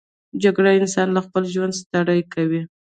جګړه انسان له خپل ژوند ستړی کوي